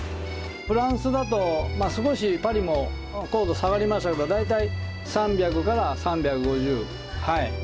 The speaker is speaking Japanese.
フランスだと少しパリも硬度下がりますけど大体３００３５０。